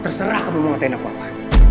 terserah kamu mau ngatain aku apa